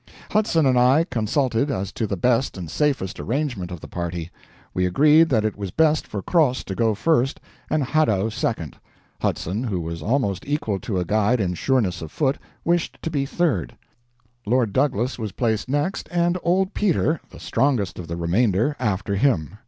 Hudson and I consulted as to the best and safest arrangement of the party. We agreed that it was best for Croz to go first, and Hadow second; Hudson, who was almost equal to a guide in sureness of foot, wished to be third; Lord Douglas was placed next, and old Peter, the strongest of the remainder, after him.